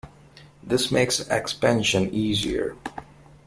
This makes expansion easier.